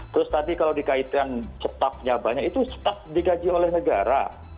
terus tadi kalau dikaitkan stoknya banyak itu staf digaji oleh negara